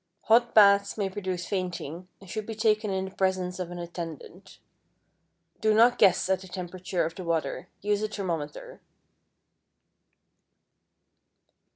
Hot baths may produce fainting, and should be taken in the presence of an attendant. Do not guess at the temperature of the water; use a thermometer.